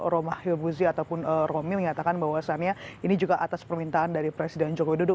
roma hilbuzi ataupun romy mengatakan bahwasannya ini juga atas permintaan dari presiden jokowi dodo